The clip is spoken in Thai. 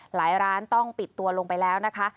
ร้านต้องปิดตัวลงไปแล้วนะคะ